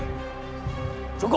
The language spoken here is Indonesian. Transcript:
aku tidak percaya padamu